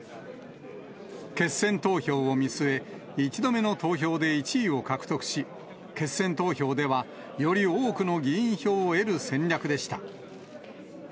決選投票を見据え、１度目の投票で１位を獲得し、決選投票ではより多くの議員票を得る戦略でした。